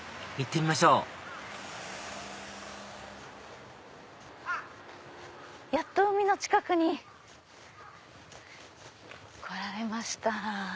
行ってみましょうやっと海の近くに来られました。